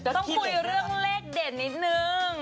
ต้องคุยเรื่องเลขเด่นนิดนึง